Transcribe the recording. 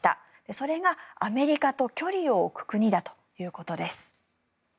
それはアメリカと距離を置く国だということです。